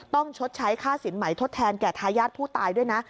ชดใช้ค่าสินใหม่ทดแทนแก่ทายาทผู้ตายด้วยนะ